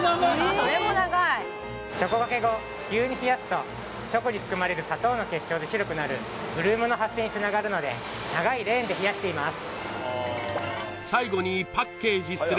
チョコがけ後急に冷やすとチョコに含まれる砂糖の結晶で白くなるブルームの発生につながるので長いレーンで冷やしています